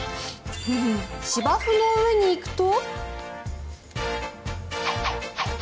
芝生の上に行くと。